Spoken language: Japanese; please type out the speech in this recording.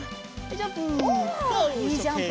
はいジャンプ。